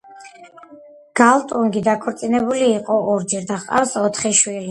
გალტუნგი დაქორწინებული იყო ორჯერ და ჰყავს ოთხი შვილი.